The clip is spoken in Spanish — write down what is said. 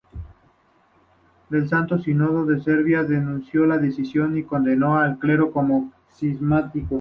El Santo Sínodo de Serbia denunció la decisión y condenó al clero como cismático.